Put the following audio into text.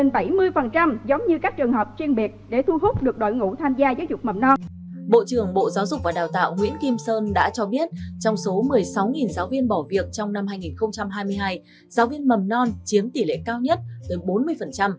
bộ trưởng bộ trưởng bộ giáo dục và đào tạo nguyễn kim sơn đã cho biết trong số một mươi sáu giáo viên bỏ việc trong năm hai nghìn hai mươi hai giáo viên mầm non chiếm tỷ lệ cao nhất gần bốn mươi